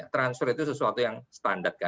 transfer itu sesuatu yang standar